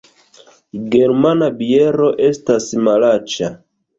Germana biero estas malaĉa